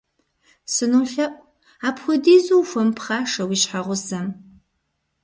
СынолъэӀу, апхуэдизу ухуэмыпхъашэ уи щхьэгъусэм.